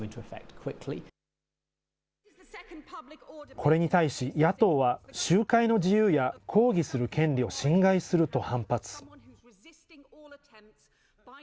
これに対し野党は、集会の自由や抗議する権利を侵害すると反発。